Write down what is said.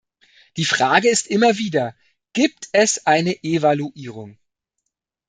Die Frage ist immer wieder, gibt es eine Evaluierung?